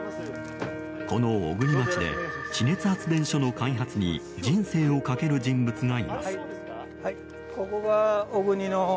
この小国町で地熱発電所の開発に人生をかける人物がいます。